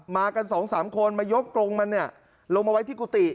มากัน๒๓คนมายกตรงมันลงมาไว้ที่กุฏิ